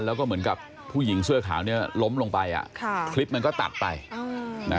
แล้วก็เหมือนกับผู้หญิงเสื้อขาวเนี่ยล้มลงไปอ่ะ